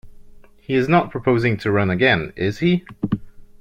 He is not proposing to run again, is he?